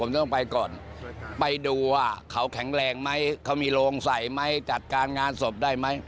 ผมต้องไปก่อนไปดูว่าเขาแข็งแรงไหมเขามีโรงใส่ไหมจัดการงานศพได้ไหม